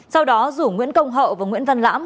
sau đó rủ nguyễn công hậu và nguyễn văn lãm